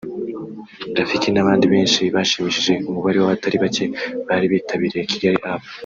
Rafiki n'abandi benshi bashimishije umubare w’abatari bake bari bitabiriye Kigali Up